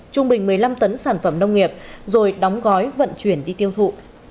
trung bình một mươi năm tấn sản phẩm nông nghiệp rồi đóng gói vận chuyển đi tiêu thụ